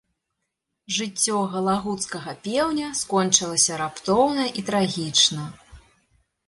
Жыццё галагуцкага пеўня скончылася раптоўна і трагічна.